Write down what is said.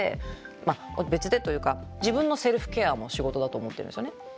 まあ別でというか自分のセルフケアも仕事だと思ってるんですよね。